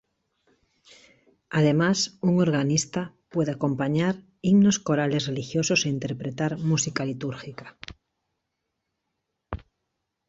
Además, un organista puede acompañar himnos corales religiosos e interpretar música litúrgica.